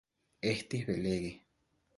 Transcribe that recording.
Estis belege.